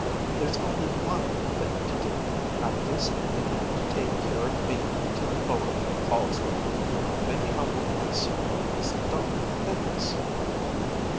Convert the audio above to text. There's only one thing to do. I guess you'll have to take care of me till the Lord calls me. Maybe I won't last so long as the doctor thinks."